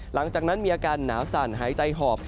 หลังจากนั้นมีอาการหนาวสั่นหายใจหอบ